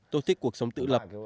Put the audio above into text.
tôi thích cuộc sống tự lập